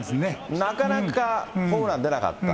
なかなかホームラン出なかった。